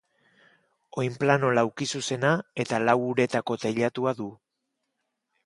Oinplano laukizuzena eta lau uretako teilatua du.